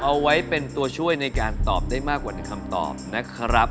เอาไว้เป็นตัวช่วยในการตอบได้มากกว่า๑คำตอบนะครับ